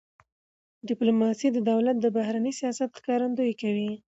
ډيپلوماسي د دولت د بهرني سیاست ښکارندویي کوي.